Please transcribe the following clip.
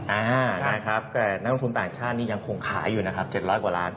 อ่านะครับแต่นักลงทุนต่างชาตินี่ยังคงขายอยู่นะครับ๗๐๐กว่าล้าน